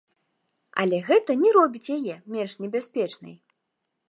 Але гэта не робіць яе менш небяспечнай.